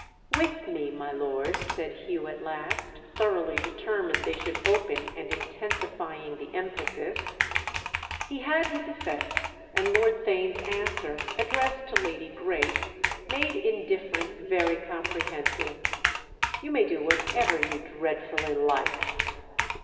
"With me, my lord," said Hugh at last, thoroughly determined they should open and intensifying the emphasis. He had his effect, and Lord Theign's answer, addressed to Lady Grace, made indifference very comprehensive. "You may do what ever you dreadfully like!"